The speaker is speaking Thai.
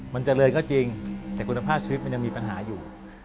มันเจริญก็จริงแต่คุณภาพชีวิตมันยังมีปัญหาอยู่